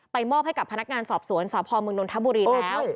มอบให้กับพนักงานสอบสวนสพมนนทบุรีแล้ว